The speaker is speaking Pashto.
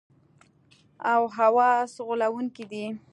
او حواس غولونکي دي.